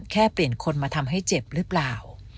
แค่เปลี่ยนคนมาทำให้เจ็บหรือเปล่า